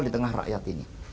di tengah rakyat ini